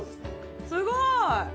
すごい！